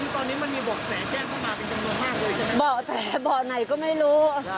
ตอนนี้มันมีเบาะแสแจ้งเข้ามาเป็นจำนวนมากเลยใช่ไหมบ่อแสบ่อไหนก็ไม่รู้